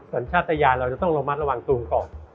แต่ชาตญาณเราจะต้องระมัดระวังสูงก่อน